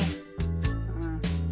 うん？